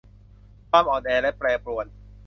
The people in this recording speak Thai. ความอ่อนแอและแปรปรวน